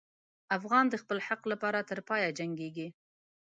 افغان د خپل حق لپاره تر پایه جنګېږي.